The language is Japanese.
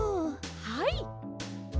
はい！